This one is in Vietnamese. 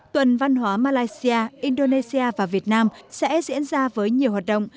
tuần văn hóa malaysia indonesia và việt nam sẽ diễn ra với nhiều hoạt động